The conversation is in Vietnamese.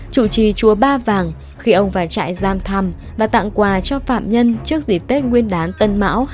chủ trì chúa ba vàng khi ông phải chạy giam thăm và tặng quà cho phạm nhân trước dị tết nguyên đán tân mão hai nghìn hai mươi một